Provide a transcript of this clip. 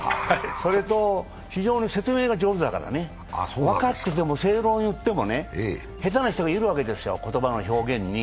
それと非常に説明が上手だからね、分かっていても、正論を言っていても、下手な人がいるわけですよ、言葉の表現に。